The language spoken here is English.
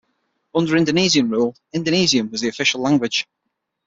Under Indonesian rule, Indonesian was the official language.